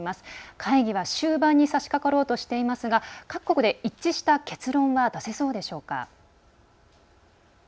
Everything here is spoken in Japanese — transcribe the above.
会議は終盤にさしかかろうとしていますが各国で一致した結論は出せそうでしょうか？